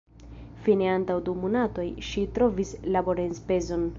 Fine antaŭ du monatoj ŝi trovis laborenspezon.